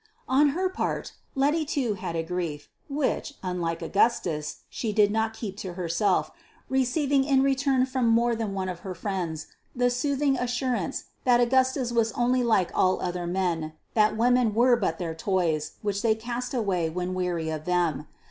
On her part, Letty too had her grief, which, unlike Augustus, she did not keep to herself, receiving in return from more than one of her friends the soothing assurance that Augustus was only like all other men; that women were but their toys, which they cast away when weary of them.